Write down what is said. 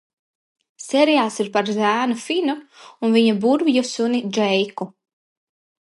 Seriāls ir par zēnu Finu un viņa burvju suni Džeiku.